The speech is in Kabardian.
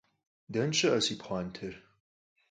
Дэнэ щыӏэ си пхъуантэр?